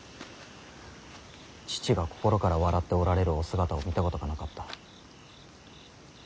父が心から笑っておられるお姿を見たことがなかった。